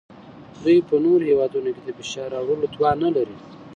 دوی په نورو هیوادونو د فشار راوړلو توان نلري